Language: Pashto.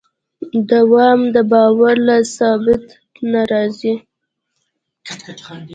دوام د باور له ثبات نه راځي.